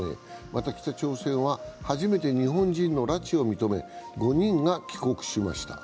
また北朝鮮は初めて日本人の拉致を認め５人が帰国しました。